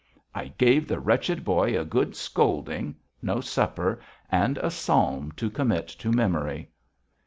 I gave the wretched boy a good scolding, no supper, and a psalm to commit to memory!'